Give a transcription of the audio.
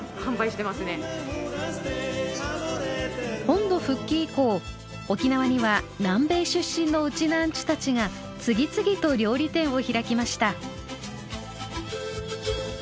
本土復帰以降沖縄には南米出身のうちなーんちゅたちが次々と料理店を開きました。